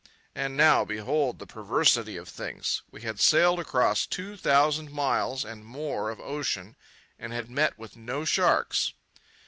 And now behold the perversity of things. We had sailed across two thousand miles and more of ocean and had met with no sharks.